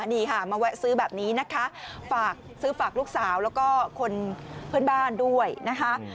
นี่ค่ะมาแวะซื้อแบบนี้นะคะฝากซื้อฝากลูกสาวแล้วก็คนเพื่อนบ้านด้วยนะคะ